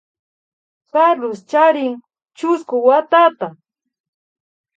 Carlos charin chusku watata